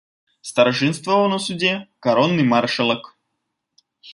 Старшынстваваў на судзе каронны маршалак.